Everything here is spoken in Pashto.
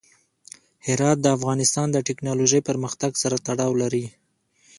هرات د افغانستان د تکنالوژۍ پرمختګ سره تړاو لري.